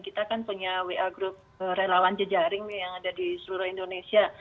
kita kan punya wa group relawan jejaring nih yang ada di seluruh indonesia